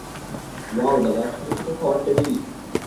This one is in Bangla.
ওয়াও, দাদা, ছোট ছোট খাওয়ার টেবিল?